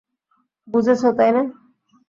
বুঝেছ, তাই না?